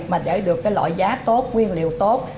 mà để được loại giá tốt nguyên liệu tốt